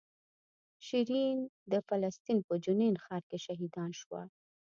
شیرین د فلسطین په جنین ښار کې شهیدان شوه.